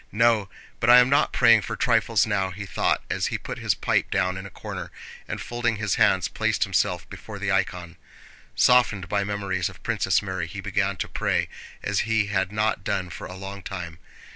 No, but I am not praying for trifles now," he thought as he put his pipe down in a corner, and folding his hands placed himself before the icon. Softened by memories of Princess Mary he began to pray as he had not done for a long time.